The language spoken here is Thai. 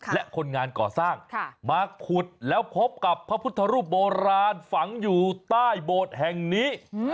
และคนงานก่อสร้างมาขุดแล้วพบกับพระพุทธรูปโบราณฝังอยู่ใต้โบสถ์แห่งนี้